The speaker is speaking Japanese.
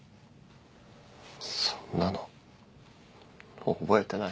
そんなの覚えてない。